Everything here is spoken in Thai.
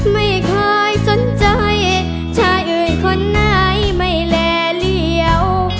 ไม่เคยสนใจชายอื่นคนไหนไม่แลเหลี่ยว